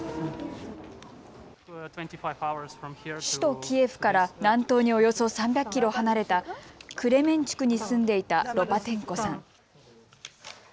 首都キエフから南東におよそ３００キロ離れたクレメンチュクに住んでいたロパテンコさん。